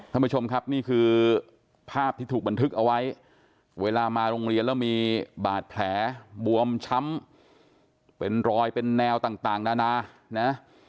ท่านผู้ชมครับนี่คือภาพที่ถูกบันทึกเอาไว้เวลามาโรงเรียนแล้วมีบาดแผลบวมช้ำเป็นรอยเป็นแนวต่างนานานะ